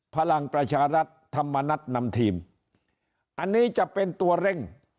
พลังประชารัฐธรรมนัฐนำทีมอันนี้จะเป็นตัวเร่ง